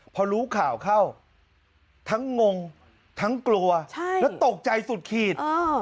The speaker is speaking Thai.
พอรู้ข่าวเข้าทั้งงงทั้งกลัวและตกใจสุดขีด